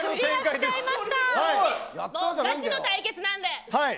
がちの対決なんで。